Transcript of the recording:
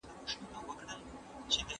لر او بر يو افغان دی.